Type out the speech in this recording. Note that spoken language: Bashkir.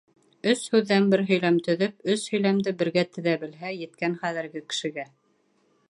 Өс һүҙҙән бер һөйләм төҙөп, өс һөйләмде бергә теҙә белһә, еткән хәҙерге кешегә.